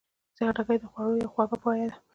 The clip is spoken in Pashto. خټکی د خوړو یوه خواږه پایه ده.